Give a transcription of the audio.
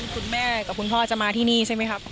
คุณพ่อกับคุณพ่อจะมาที่นี่ใช่ไหมครับ